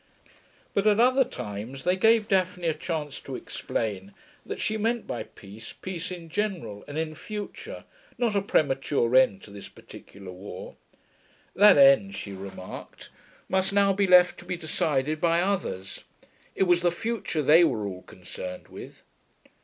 But at other times they gave Daphne a chance to explain that she meant by peace, peace in general and in future, not a premature end to this particular war. That end, she remarked, must now be left to be decided by others; it was the future they were all concerned with.